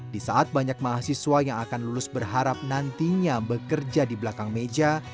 di saat banyak mahasiswa yang akan lulus berharap nantinya bekerja di belakang meja